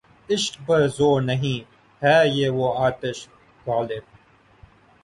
عشق پر زور نہیں، ہے یہ وہ آتش غالب